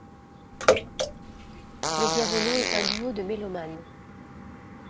Mediavolo est un duo de mélomanes.